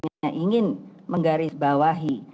saya hanya ingin menggarisbawahi